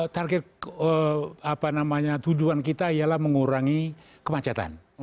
target apa namanya tujuan kita ialah mengurangi kemacetan